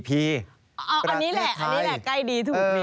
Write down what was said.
อันนี้แหละอันนี้แหละใกล้ดีถูกดี